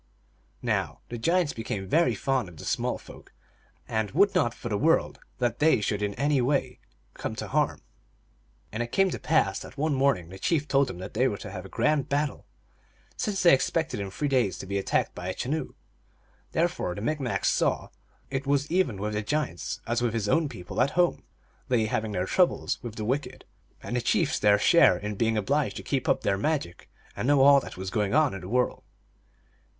Now the giants became very fond of the small folk, and would not for the world that they should in any way come to harm. And it came to pass that one morning the chief told them that they were to have a grand battle, since they expected in three days to be attacked by a Chenoo. Therefore the Micmac saw that in all things it was even with the giants as with his own people at home, they having their troubles with the wicked, and the chiefs their share in being obliged to keep up their magic and know all that was going on in the world.